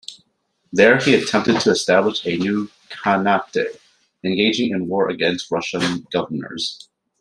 There he attempted to establish a new khanate, engaging in war against Russian governors.